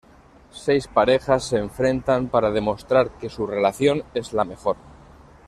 Seis parejas se enfrentan para demostrar que su relación es la mejor.